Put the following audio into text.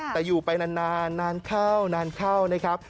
แต่อยู่ไปนานนานเข้านะครับ